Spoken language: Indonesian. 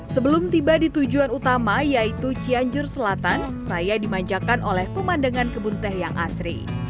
sebelum tiba di tujuan utama yaitu cianjur selatan saya dimanjakan oleh pemandangan kebun teh yang asri